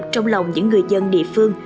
trong lòng những người dân địa phương